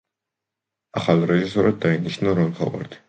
ახალ რეჟისორად დაინიშნა რონ ჰოვარდი.